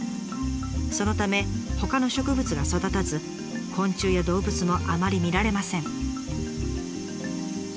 そのためほかの植物が育たず昆虫や動物もあまり見られません。